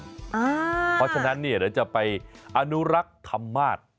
เพราะฉะนั้นเนี่ยเดี๋ยวจะไปอนุรักษ์ธรรมาศ